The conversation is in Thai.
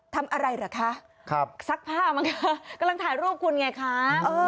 ทำอะไรเหรอคะซักผ้ามั้งคะกำลังถ่ายรูปคุณไงคะ